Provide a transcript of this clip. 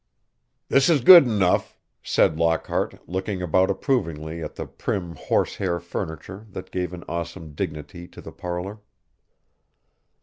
"This is good enough," said Lockhart, looking about approvingly at the prim horsehair furniture that gave an awesome dignity to the parlor.